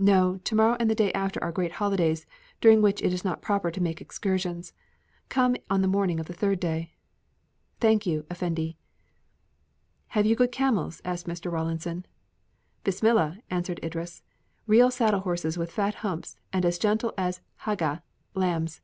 "No. To morrow and the day after are great holidays, during which it is not proper to make excursions. Come on the morning of the third day." "Thank you, effendi." "Have you good camels?" asked Mr. Rawlinson. "Bismillah!" answered Idris; "real saddle horses with fat humps and as gentle as ha' ga (lambs).